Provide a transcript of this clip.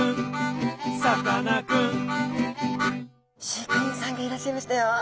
飼育員さんがいらっしゃいましたよ。